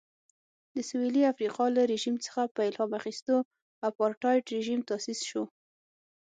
د سوېلي افریقا له رژیم څخه په الهام اخیستو اپارټایډ رژیم تاسیس شو.